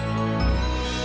udah goreng kok